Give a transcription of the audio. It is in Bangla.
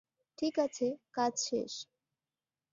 ঠিক আছে, কাজ শেষ।